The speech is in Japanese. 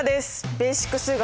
「ベーシック数学」